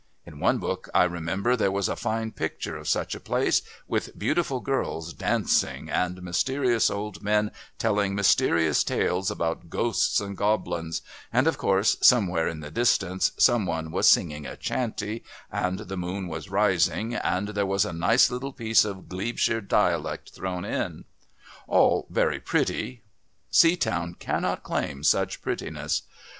In one book I remember there was a fine picture of such a place, with beautiful girls dancing and mysterious old men telling mysterious tales about ghosts and goblins, and, of course, somewhere in the distance some one was singing a chanty, and the moon was rising, and there was a nice little piece of Glebeshire dialect thrown in. All very pretty.... Seatown cannot claim such prettiness.